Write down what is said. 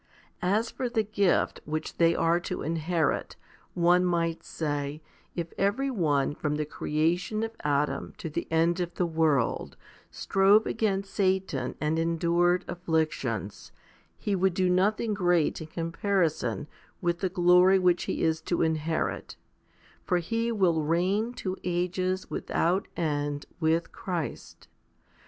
As for the gift which they are to inherit, one might say, if every one from the creation of Adam to the end of the world strove against Satan and endured afflictions, he would do nothing great in com parison with the glory which he is to inherit ; for he will reign to ages without end with Christ.